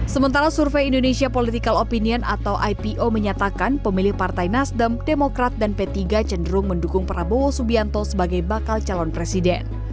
sementara survei indonesia political opinion atau ipo menyatakan pemilih partai nasdem demokrat dan p tiga cenderung mendukung prabowo subianto sebagai bakal calon presiden